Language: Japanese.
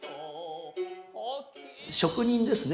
職人ですね